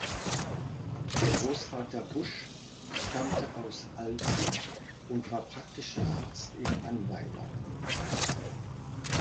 Der Großvater Busch stammte aus Alzey und war praktischer Arzt in Annweiler.